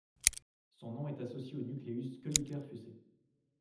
Son nom est associé au nucleus Kölliker-Fuse.